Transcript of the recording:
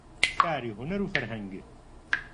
شاری هونەر و فەرهەنگ